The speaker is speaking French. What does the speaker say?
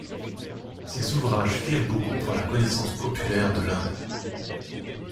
Ces ouvrages firent beaucoup pour la connaissance populaire de l'Inde.